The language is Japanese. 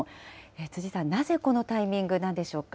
辻さん、なぜこのタイミングなんでしょうか。